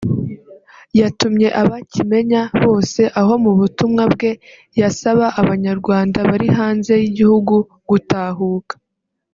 yatumye aba kimenya bose aho mu butumwa bwe yasaba abanyarwanda bari hanze y’igihugu gutahuka